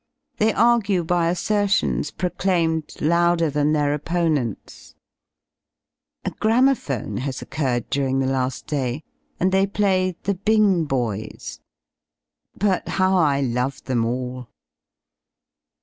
They argue by assertions proclaimed louder than their opponents. A gramophone has occurred during the lafl day, and they play "The Bing Boys." But how I love them all.